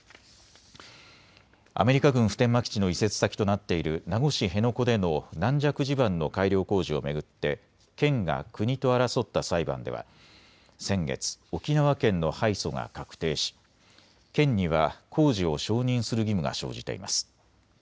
アメリカ軍普天間基地の移設先となっている名護市辺野古での軟弱地盤の改良工事を巡って県が国と争った裁判では先月、沖縄県の敗訴が確定し県には工事を承認する義務が生じています。